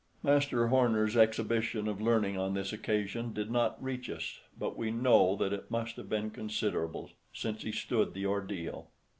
Master Homer's exhibition of learning on this occasion did not reach us, but we know that it must have been considerable, since he stood the ordeal.